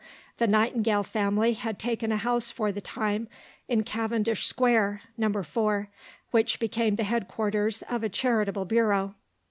The Nightingale family had taken a house for the time in Cavendish Square (No. 4), which became the headquarters of a charitable bureau.